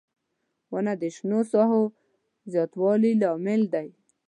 • ونه د شنو ساحو زیاتوالي لامل دی.